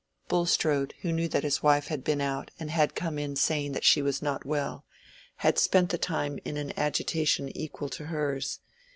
Bulstrode, who knew that his wife had been out and had come in saying that she was not well, had spent the time in an agitation equal to hers.